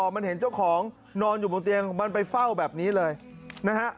มันเห็นเจ้าของนอนอยู่บนเตียงมันไปเฝ้าแบบนี้เลยนะฮะ